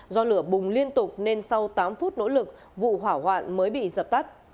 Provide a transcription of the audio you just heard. do lửa bùng liên tục nên sau tám phút nỗ lực vụ hỏa hoạn mới bị dập tắt